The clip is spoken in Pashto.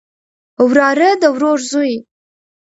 وراره د ورور زوی